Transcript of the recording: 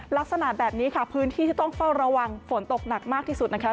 ลักษณะแบบนี้ค่ะพื้นที่ที่ต้องเฝ้าระวังฝนตกหนักมากที่สุดนะคะ